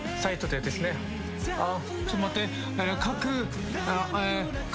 ちょっと待って。